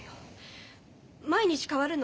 毎日変わるの。